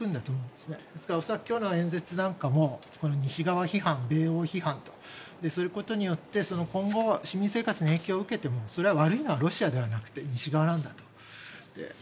ですから恐らく今日の演説なんかも西側批判、米欧批判をすることによって今後、市民生活に影響を受けてもそれは悪いのはロシアではなくて西側なんだと。